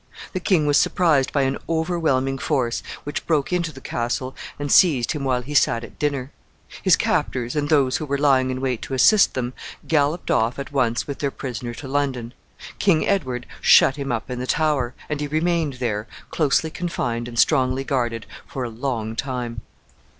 The king was surprised by an overwhelming force, which broke into the castle and seized him while he sat at dinner. His captors, and those who were lying in wait to assist them, galloped off at once with their prisoner to London. King Edward shut him up in the Tower, and he remained there, closely confined and strongly guarded for a long time.